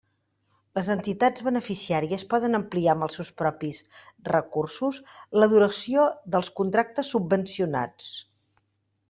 Les entitats beneficiàries poden ampliar amb els seus propis recursos la duració dels contractes subvencionats.